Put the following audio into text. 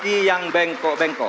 berani memperbaiki yang bengkok bengkok